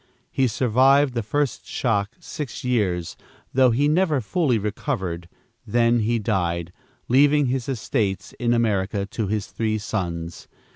He survived the first shock six years, though he never fully recovered, then he died, leaving his estates in America to his three sons.